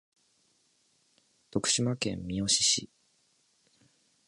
徳島県三好市